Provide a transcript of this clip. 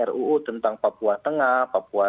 ruu tentang papua tengah papua